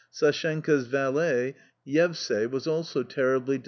Sashenka's valet, Yevsay, was also } terribly.